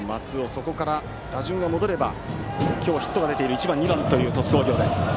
そこから打順が戻れば今日ヒットが出ている１番、２番という鳥栖工業です。